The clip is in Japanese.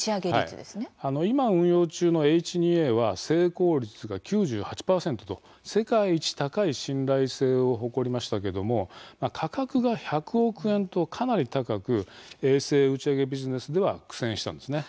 今、運用中のＨ２Ａは成功率が９８％と世界一高い信頼性を誇りましたけれども価格が１００億円と、かなり高く衛星打ち上げビジネスでは苦戦したんですね。